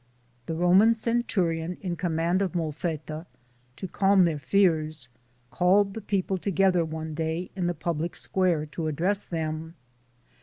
The Roman centurion in command of Molfetta, to calm their fears, called the people together one day in the public square to address them.